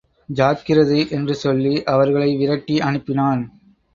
ஜாக்கிரதை என்று சொல்லி அவர்களை விரட்டி அனுப்பினான்.